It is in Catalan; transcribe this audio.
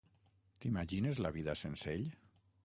T'imagines la vida sense ell?